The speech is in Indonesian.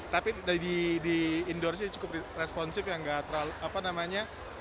tapi di endorse nya cukup responsif ya nggak terlalu apa namanya